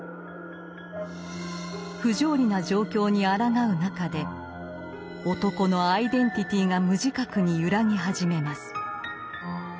不条理な状況にあらがう中で男のアイデンティティーが無自覚に揺らぎ始めます。